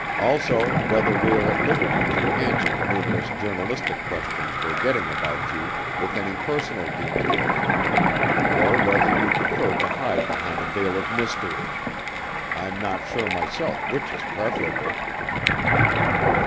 Also whether we are at liberty to answer the numerous journalistic questions we're getting about you, with any personal details, or whether you prefer to hide behind a veil of mystery. I'm not sure myself which is preferable."